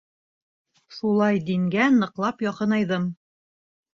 Шулай дингә ныҡлап яҡынайҙым.